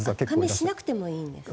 加盟しなくてもいいんですね。